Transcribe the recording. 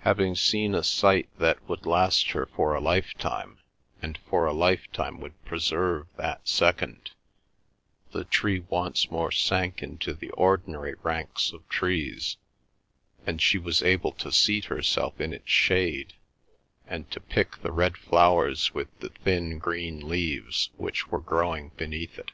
Having seen a sight that would last her for a lifetime, and for a lifetime would preserve that second, the tree once more sank into the ordinary ranks of trees, and she was able to seat herself in its shade and to pick the red flowers with the thin green leaves which were growing beneath it.